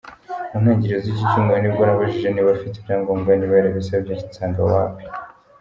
Mu ntangiriro z’iki cyumweru nibwo nabajije niba afite ibyangombwa, niba yarabisabye, nsanga wapi.